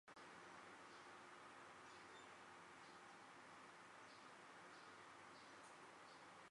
ฉันบันทึกสิ่งที่ผ่านพวกเราไปตรงสนามหญ้าไว้แล้ว